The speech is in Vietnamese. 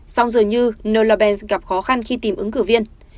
sau giờ như nella banks gặp khó khăn khi tìm ứng cử viên